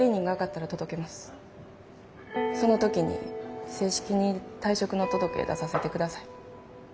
その時に正式に退職の届け出させて下さい。